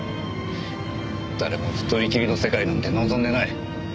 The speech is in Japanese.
誰も一人きりの世界なんて望んでない。